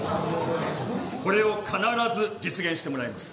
これを必ず実現してもらいます。